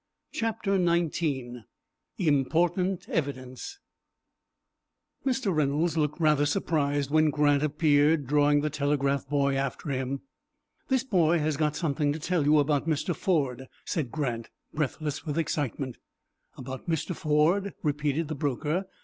CHAPTER XIX IMPORTANT EVIDENCE Mr. Reynolds looked rather surprised when Grant appeared, drawing the telegraph boy after him. "This boy has got something to tell you about Mr. Ford," said Grant, breathless with excitement. "About Mr. Ford?" repeated the broker.